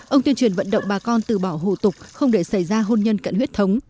ông tuyên truyền vận động bà con từ bỏ hồ tục không để xảy ra hôn nhân cận huyết thống